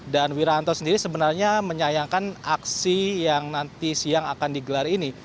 dan wiranto sendiri sebenarnya menyayangkan aksi yang nanti siang akan digelar ini